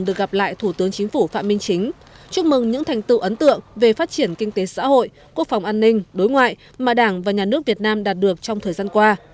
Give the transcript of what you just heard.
chúc mừng những thành tựu ấn tượng về phát triển kinh tế xã hội quốc phòng an ninh đối ngoại mà đảng và nhà nước việt nam đạt được trong thời gian qua